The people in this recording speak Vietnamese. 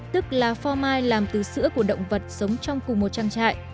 tức là pho mai làm từ sữa của động vật sống trong cùng một trang trại